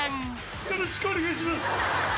よろしくお願いします。